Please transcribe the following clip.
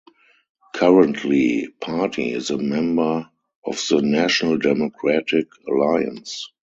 Currently party is a member of the National Democratic Alliance.